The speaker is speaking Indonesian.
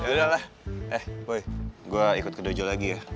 udahlah eh boy gue ikut ke dojo lagi ya